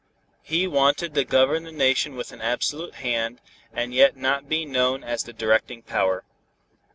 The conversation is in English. He wanted to govern the Nation with an absolute hand, and yet not be known as the directing power.